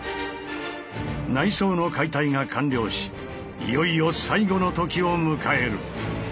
内装の解体が完了しいよいよ最後の時を迎える。